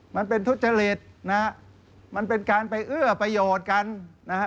มันเป็นทุจริตนะฮะมันเป็นการไปเอื้อประโยชน์กันนะฮะ